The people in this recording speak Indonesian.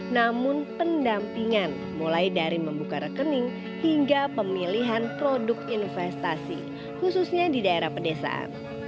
namun pendampingan mulai dari membuka rekening hingga pemilihan produk investasi khususnya di daerah pedesaan